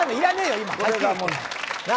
今！